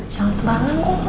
jangan sembarangan kok